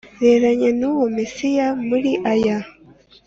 Reranye n uwo mesiya muri aya